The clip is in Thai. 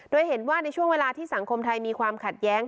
โดยเห็นว่าในช่วงเวลาที่สังคมไทยมีความขัดแย้ง